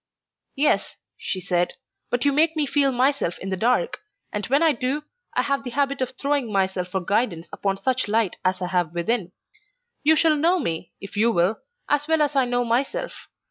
"Yes," she said, "but you make me feel myself in the dark, and when I do I have the habit of throwing myself for guidance upon such light as I have within. You shall know me, if you will, as well as I know myself.